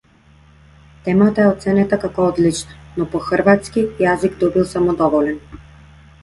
Темата е оценета како одлична, но по хрватски јазик добил само доволен.